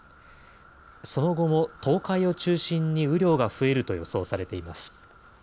その後も東海を中心に雨量が増えると予想されています。